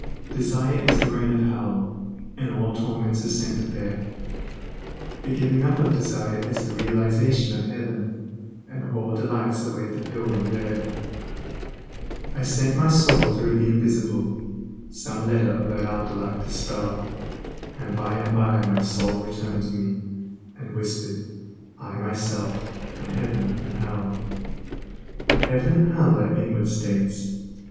Desire is the region of hell, and all torments are centered there. The giving up of desire is the realization of heaven, and all delights await the pilgrim there, I sent my soul through the invisible, Some letter of that after life to spell, And by and by my soul returned to me, And whispered, I myself am heaven and hell," Heaven and hell are inward states.